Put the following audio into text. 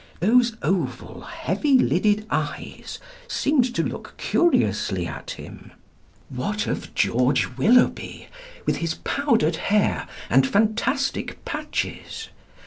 Those oval heavy lidded eyes seemed to look curiously at him. What of George Willoughby, with his powdered hair and fantastic patches?